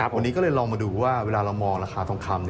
วันนี้ก็เลยลองมาดูว่าเวลาเรามองราคาทองคำ